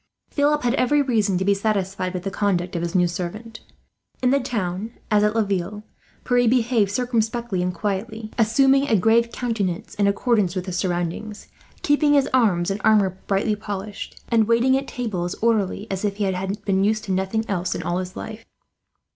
Philip had every reason to be satisfied with the conduct of his new servant. In the town, as at Laville, Pierre behaved circumspectly and quietly; assuming a grave countenance in accordance with his surroundings, keeping his arms and armour brightly polished, and waiting at table as orderly as if he had been used to nothing else all his life.